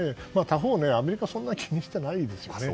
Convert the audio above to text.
他方、アメリカはそんなに気にしてないんですよね。